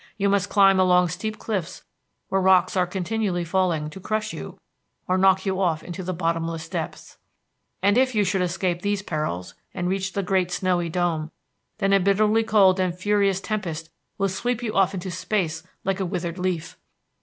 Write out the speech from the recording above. You must climb along steep cliffs where rocks are continually falling to crush you or knock you off into the bottomless depths. "And if you should escape these perils and reach the great snowy dome, then a bitterly cold and furious tempest will sweep you off into space like a withered leaf.